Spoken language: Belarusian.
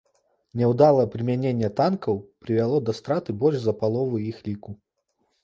Няўдалае прымяненне танкаў прывяло да страты больш за паловы іх ліку.